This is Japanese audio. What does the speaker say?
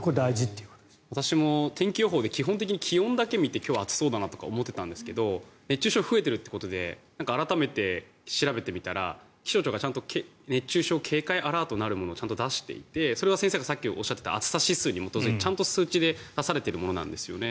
私も天気予報で気温だけを見て今日は暑そうだなと思っていたんですが熱中症増えているっていうことで改めて調べてみたら気象庁がちゃんと熱中症警戒アラートなるものを出していてそれは先生がさっきおっしゃっていた暑さ指数に基づいてちゃんと数値で出されているものなんですよね。